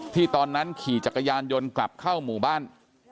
ตอนนั้นขี่จักรยานยนต์กลับเข้าหมู่บ้าน